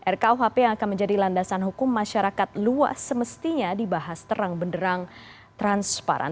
rkuhp yang akan menjadi landasan hukum masyarakat luas semestinya dibahas terang benderang transparan